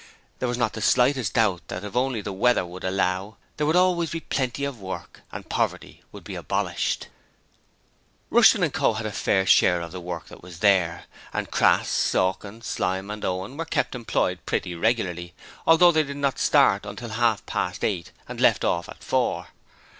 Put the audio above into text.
There was not the slightest doubt that if only the weather would allow there would always be plenty of work, and poverty would be abolished. Rushton & Co. had a fair share of what work there was, and Crass, Sawkins, Slyme and Owen were kept employed pretty regularly, although they did not start until half past eight and left off at four.